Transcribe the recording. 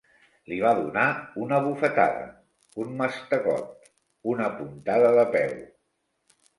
Li va donar una bufetada, un mastegot, una puntada de peu.